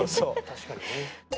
確かにね。